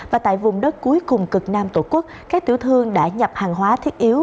và tại vùng đất cuối cùng cực nam tổ quốc các tiểu thương đã nhập hàng hóa thiết yếu